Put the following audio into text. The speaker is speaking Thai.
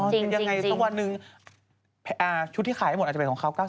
ใช่ตอนหนึ่งชุดที่ขายทั้งหมดอาจจะเป็นของเขา๙๐ล้าน